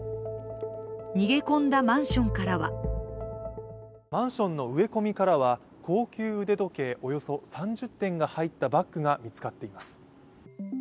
逃げ込んだマンションからはマンションの植え込みからは高級腕時計およそ３０点が入ったバッグが見つかっています。